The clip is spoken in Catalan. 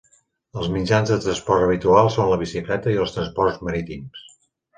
Els mitjans de transport habituals són la bicicleta, i els transports marítims.